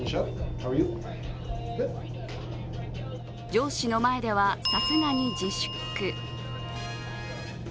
上司の前では、さすがに自粛。